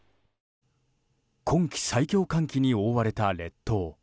今季最強寒気に覆われた列島。